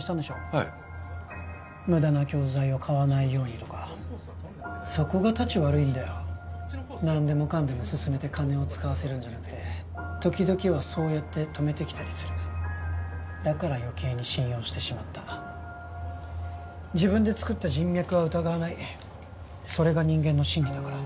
はい無駄な教材を買わないようにとかそこがタチ悪いんだよ何でもかんでも勧めて金を使わせるんじゃなくて時々はそうやって止めてきたりするだから余計に信用してしまった自分で作った人脈は疑わないそれが人間の心理だから